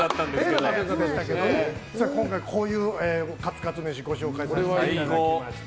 今回、こういうカツカツ飯をご紹介させていただきました。